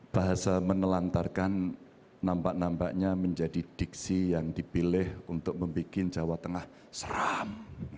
bahasa menelantarkan nampak nampaknya menjadi diksi yang dipilih untuk membuat jawa tengah seram